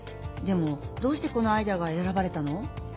でもどうしてこのアイデアがえらばれたの？